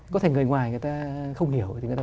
có thể người ngoài người ta không biết